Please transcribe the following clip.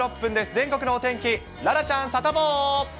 全国のお天気、楽々ちゃん、サタボー。